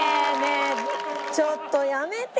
えちょっとやめて！